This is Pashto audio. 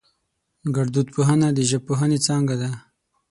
گړدود پوهنه د ژبپوهنې څانگه ده